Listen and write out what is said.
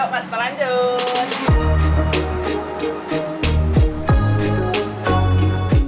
yuk mas kita lanjut